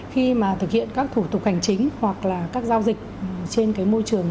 khi mà thực hiện các thủ tục hành chính hoặc là các giao dịch trên cái môi trường